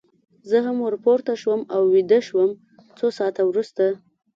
زه هم ور پورته شوم او ویده شوم، څو ساعته وروسته.